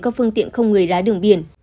các phương tiện không người lái đường biển